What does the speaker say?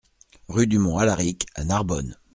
Rue du Mont Alaric à Narbonne